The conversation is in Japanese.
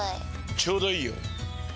ちょうどいいよ。